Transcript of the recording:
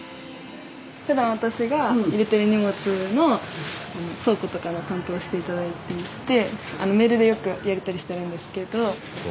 ふだん私が入れてる荷物の倉庫とかの担当をして頂いていてメールでよくやり取りしてるんですけど。